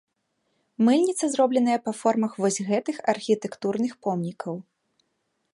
Мыльніца зробленая па формах вось гэтых архітэктурных помнікаў.